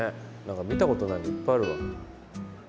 何か見たことないのいっぱいあるわ。